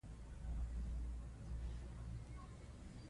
میرغلام محمد غبار به یې سرښندنه ستایلې وي.